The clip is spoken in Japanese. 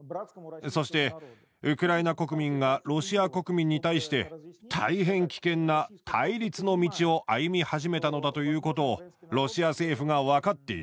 そしてウクライナ国民がロシア国民に対して大変危険な対立の道を歩み始めたのだということをロシア政府が分かっている。